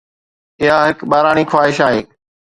اها هڪ ٻاراڻي خواهش آهي.